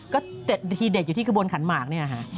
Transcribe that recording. ก็ทีเด็ดอยู่ที่กระบวนขันหมากเนี่ยค่ะ